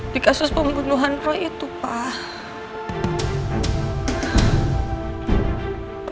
di kasus pembunuhan roy itu pak